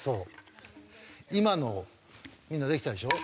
今のみんなできたでしょう。